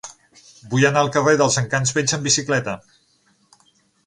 Vull anar al carrer dels Encants Vells amb bicicleta.